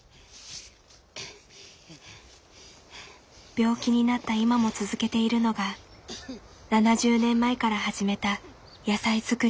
病気になった今も続けているのが７０年前から始めた野菜づくり。